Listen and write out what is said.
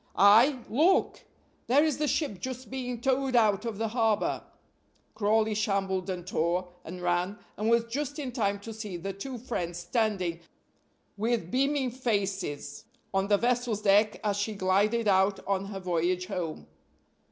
"Ay, look! there is the ship just being towed out of the harbor." Crawley shambled, and tore, and ran, and was just in time to see the two friends standing with beaming faces on the vessel's deck as she glided out on her voyage home.